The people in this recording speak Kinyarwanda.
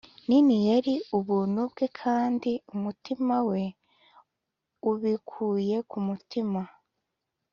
nini yari ubuntu bwe, kandi umutima we ubikuye ku mutima,